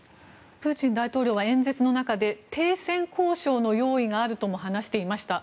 プーチン大統領は演説の中で停戦交渉の用意があるとも話していました。